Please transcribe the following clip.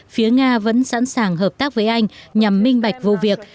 phía nga vẫn sẵn sàng hợp tác với anh nhằm minh bạch vụ việc